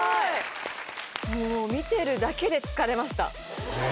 もう見てるだけで疲れましたねぇ